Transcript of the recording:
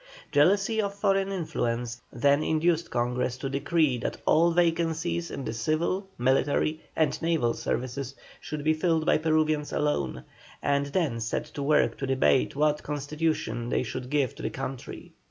Jealousy of foreign influence then induced Congress to decree that all vacancies in the civil, military, and naval services should be filled by Peruvians alone, and then set to work to debate what constitution they should give to the country.